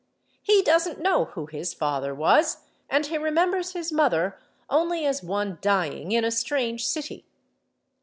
He doesn't know who his father was, and he remembers his mother only as one dying in a strange city.